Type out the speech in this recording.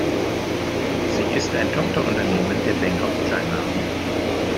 Sie ist ein Tochterunternehmen der Bank of China.